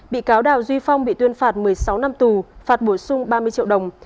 bị cáo đào duy phong bị tuyên phạt một mươi sáu năm tù phạt bổ sung ba mươi triệu đồng